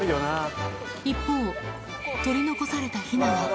一方、取り残されたヒナは。